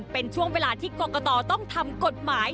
เป็นช่วงเวลาที่กรกตต้องทำกฎหมาย